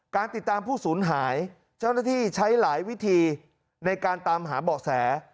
การติดตามผู้สูญหายเจ้าหน้าที่ใช้หลายวิธีในการตามหาเบาะแส